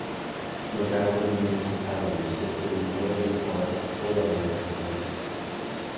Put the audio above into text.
Modalen municipality sits in the northern part of Hordaland county.